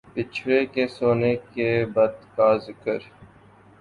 بچھڑے کے سونے کے بت کا ذکر